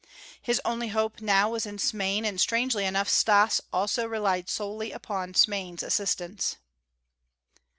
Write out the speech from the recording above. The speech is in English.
His only hope now was in Smain, and strangely enough Stas also relied solely upon Smain's assistance.